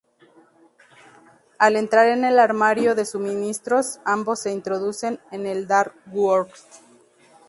Al entrar en el armario de suministros, ambos se introducen en el "Dark World".